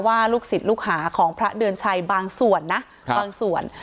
ลูกศิษย์ลูกหาของพระเดือนชัยบางส่วนนะบางส่วน